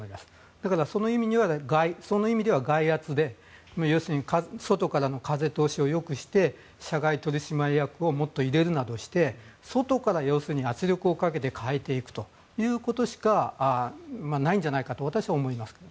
だから、その意味では外圧で要するに外からの風通しをよくして社外取締役をもっと入れるなどして外から要するに圧力をかけて変えていくということしかないんじゃないかと私は思います。